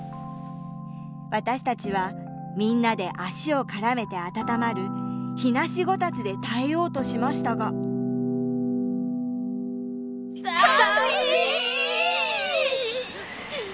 私たちはみんなで足を絡めて温まる火無し炬燵で耐えようとしましたがさみぃ！